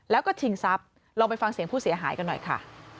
แล้วก็ชิงทรัพย์ลองไปฟังเสียงผู้เสียหายกันหน่อยค่ะ